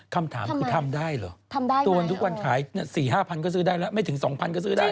คำถามคือทำได้เหรอทำได้ส่วนทุกวันขาย๔๕๐๐ก็ซื้อได้แล้วไม่ถึง๒๐๐ก็ซื้อได้